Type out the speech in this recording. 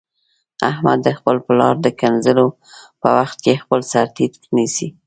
احمد د خپل پلار د کنځلو په وخت کې خپل سرټیټ نیسي.